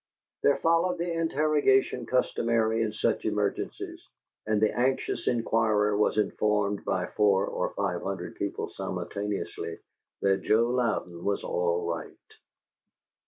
There followed the interrogation customary in such emergencies, and the anxious inquirer was informed by four or five hundred people simultaneously that Joe Louden was all right.